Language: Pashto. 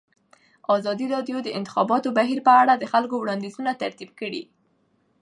ازادي راډیو د د انتخاباتو بهیر په اړه د خلکو وړاندیزونه ترتیب کړي.